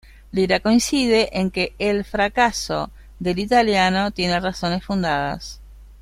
Lira coincide en que el fracaso del italiano tiene razones fundadas.